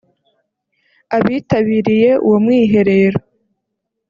Abitabiriye uwo mwiherero